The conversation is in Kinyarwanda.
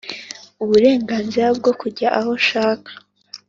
Uburenganzira bwo kujya aho ushaka